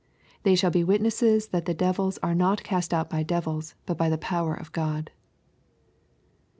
They shall be witnesses that devils are not cast out by devils, but by he power of God."